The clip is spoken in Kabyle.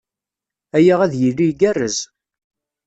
Aya ad d-yili igerrrez.